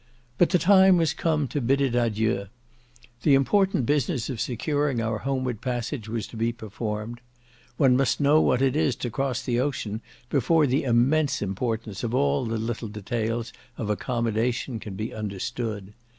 But the time was come to bid it adieu! The important business of securing our homeward passage was to be performed. One must know what it is to cross the ocean before the immense importance of all the little details of accommodation can be understood.